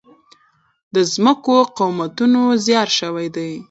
د زمکو قيمتونه زیات شوي دي